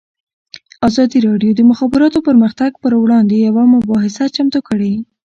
ازادي راډیو د د مخابراتو پرمختګ پر وړاندې یوه مباحثه چمتو کړې.